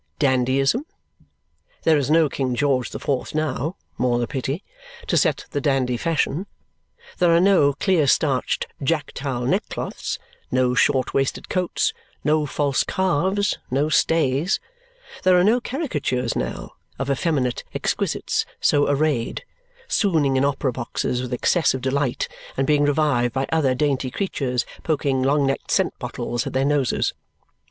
Dandyism? There is no King George the Fourth now (more the pity) to set the dandy fashion; there are no clear starched jack towel neckcloths, no short waisted coats, no false calves, no stays. There are no caricatures, now, of effeminate exquisites so arrayed, swooning in opera boxes with excess of delight and being revived by other dainty creatures poking long necked scent bottles at their noses.